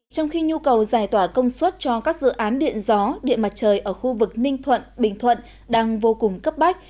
trong khi nhu cầu giải tỏa công suất cho các dự án điện gió điện mặt trời ở khu vực ninh thuận bình thuận đang vô cùng cấp bách